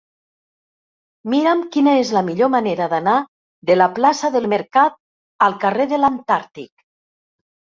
Mira'm quina és la millor manera d'anar de la plaça del Mercat al carrer de l'Antàrtic.